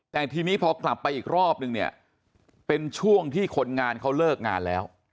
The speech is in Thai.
แต่ทีนี้พอกลับไปอีกรอบนึงเนี่ยเป็นช่วงที่คนงานเขาเลิกงานแล้ว